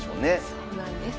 そうなんです。